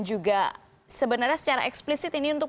juga sebenarnya secara eksplisit ini untuk